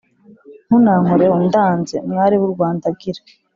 ntunankoreho! ndanze! mwari w’u rwanda gira